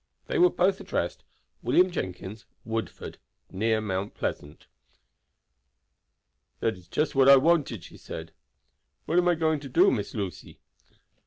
They were both addressed "William Jenkins, Woodford, near Mount Pleasant." "That is just what I wanted," she said. "What am you going to do, Miss Lucy?"